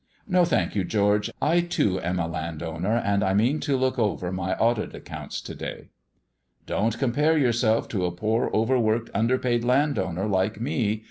"No, thank you, George; I too am a landowner, and I mean to look over my audit accounts to day." "Don't compare yourself to a poor overworked underpaid landowner like me.